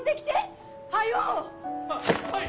・ははい！